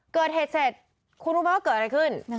เกิดเหตุเสร็จคุณรู้ไหมว่าเกิดอะไรขึ้น